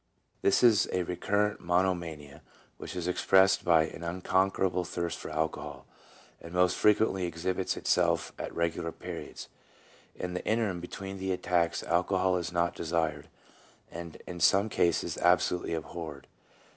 This is a recurrent mono mania, which is expressed by an unconquerable thirst for alcohol, and most frequently exhibits itself at regular periods. 2 In the interim between the attacks alcohol is not desired, and is in some cases absolutely abhorred.